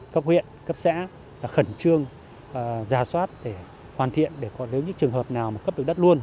cấp huyện cấp xã khẩn trương giả soát để hoàn thiện để có nếu những trường hợp nào mà cấp được đất luôn